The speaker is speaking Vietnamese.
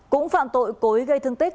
cũng phạm tội cối gây thương tích